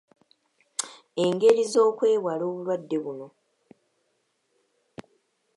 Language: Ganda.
Engeri z’okwewala obulwadde buno.